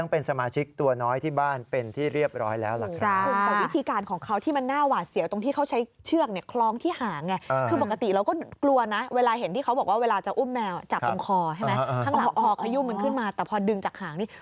พอเคยี่ยูมมันขึ้นมาแต่พอดึงจากหางนี่